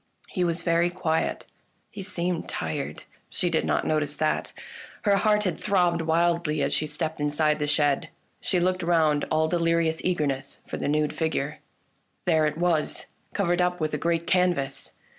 He was very quiet, he seemed tired. She did not notice that. Her heart had throbbed wildly as she stepped inside the shed. She looked round, all delirious eager ness for the nude figure. There it was, covered up with a great canvas